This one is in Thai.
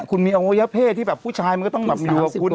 คุณมีอวัยเพศที่แบบผู้ชายมันก็ต้องอยู่กับคุณ